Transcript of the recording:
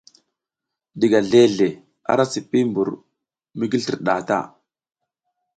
Diga zleʼzle ara sipi mbur mi gi slir nɗah ta.